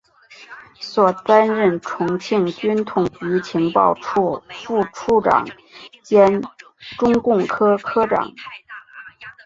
后担任重庆军统局情报处副处长兼中共科科长。